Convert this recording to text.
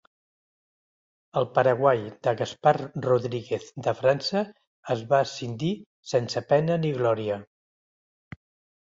El Paraguai de Gaspar Rodríguez de França es va escindir sense pena ni glòria.